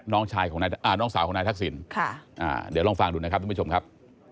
น้องสาวของนายทักศิลป์เดี๋ยวลองฟังดูนะครับทุกผู้ชมครับ